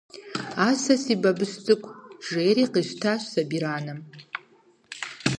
– А сэ си бабыщ цӀыкӀу, – жэри къищтащ сабийр анэм.